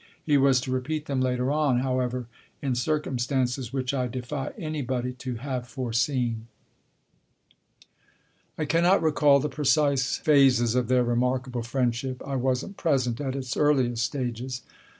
He was to repeat them later on, however, in circumstances which I defy anybody to have foreseen. Book I : My Book 29 I cannot recall the precise phases of their remarkable friendship. I wasn't present at its earliest stages.